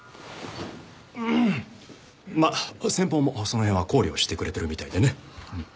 まあ先方もその辺は考慮してくれてるみたいでね。